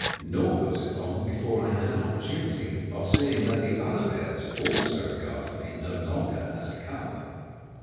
Nor was it long before I had an opportunity of seeing that other bears also regarded me no longer as a cub.